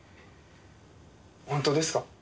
本当ですか？